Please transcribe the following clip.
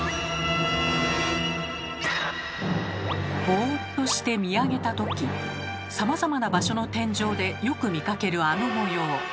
ボーっとして見上げた時さまざまな場所の天井でよく見かけるあの模様。